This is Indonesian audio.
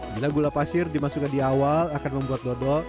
bila gula pasir dimasukkan di awal akan membuat dodol